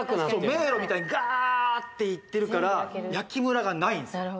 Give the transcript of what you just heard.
迷路みたいにガーッていってるから焼きムラがないんすよ